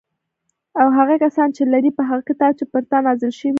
او هغه کسان چې لري په هغه کتاب چې پر تا نازل شوی